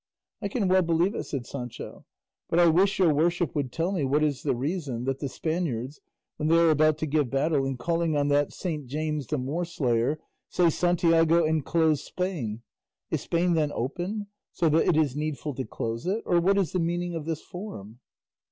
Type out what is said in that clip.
"I can well believe it," said Sancho; "but I wish your worship would tell me what is the reason that the Spaniards, when they are about to give battle, in calling on that Saint James the Moorslayer, say 'Santiago and close Spain!' Is Spain, then, open, so that it is needful to close it; or what is the meaning of this form?"